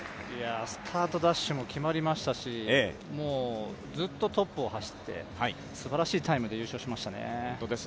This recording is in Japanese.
スタートダッシュも決まりましたしずっとトップを走って、すばらしいタイムで優勝しましたね。